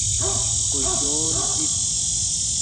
کوشون کیت